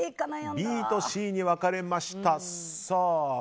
ＢとＣに分かれました。